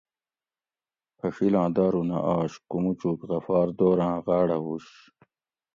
پھڛیلاں دارو نہ آش کوموچوک غفار دوراں غاڑہ ھوش